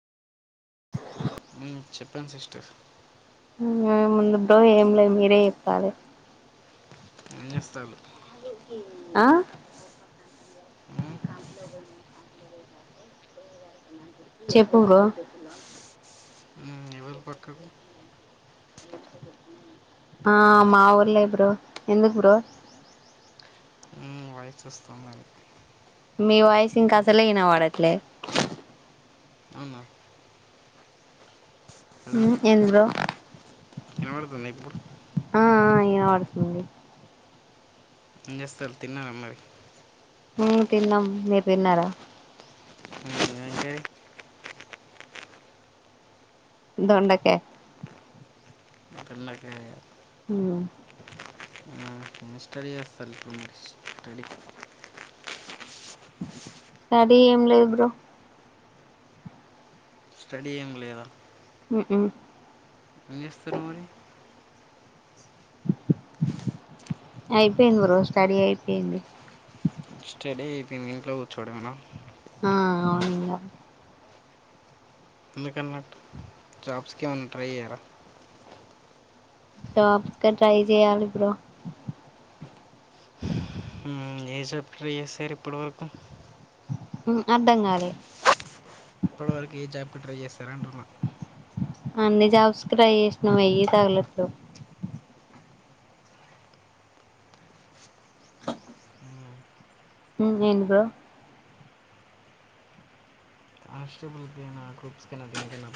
హు చేపండ్ సిస్టర్ ఏముంది బ్రో ఏం లే మీరే చెప్పాలి ఏం చేస్తారు ఆ ఉ నగు చెప్పు బ్రో ఎవరు పక్కన ఆ మా ఒళ్ళే బ్రో ఎందుకు బ్రో వయస్ వస్తుంది అని మీ వాయిస్ ఇంకా అసలే ఇన వాడట్లే అవున వినబడుతుంది ఇప్పుడు [unintelligible] పడుతుంది ఏం చేస్తారు తిన్నార మరి తిన్నాం మీరు తిన్నార [unintelligible] దొండకాయి [unintelligible] హు [unintelligible] అది ఏం లేదు బ్రో స్టడి ఎం లేద [inaudible] చేస్తారు మరి అయిపోయింది బ్రో స్టడీ అయిపోయింది స్టడీ అయిపోయింది ఇంట్లో కూర్చోడంయేన ఆ అవునింగ ఎందుకన్నట్టు జాబ్స్కి ఏమన్నా ట్రై చేయ్యరా జాబ్స్కి ట్రై చెయాలి బ్రో ఉమ్ ఏ జాబ్కి ట్రై చేశారు ఇప్పటి వరకు ఉమ్ అర్ధంగాలే ఇప్పటివరకు ఏ జాబ్కి ట్రై చేస్తారంటున్నా అన్ని జాబ్స్కి క్రై చేసినం ఎయ్యి తగలట్లేదు ఉమ్ ఏంది బ్రో ఆ స్ట్రబుల్కైన గ్రూప్స్కైక దేనికైనా